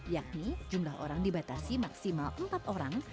yakni jumlah orang dibatasi maksimal empat orang